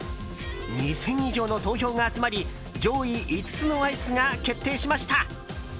２０００以上の投票が集まり上位５つのアイスが決定しました。